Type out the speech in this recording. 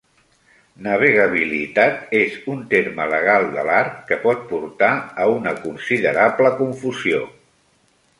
"Navegabilitat" és un terme legal de l'art, que pot portar a una considerable confusió.